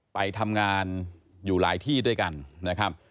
ไปทำงานอยู่หลายที่ด้วยกันนะครับ